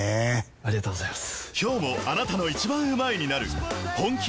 ありがとうございます！